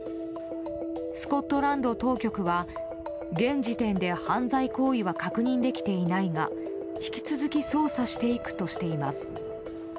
スコットランド当局は現時点で犯罪行為は確認できていないが引き続き捜査していくとしています。